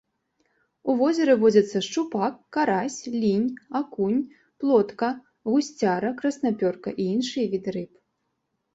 У возеры водзяцца шчупак, карась, лінь, акунь, плотка, гусцяра, краснапёрка і іншыя віды рыб.